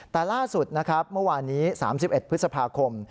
แต่ล่าสุดมันวานนี้๓๑พฤษภาคม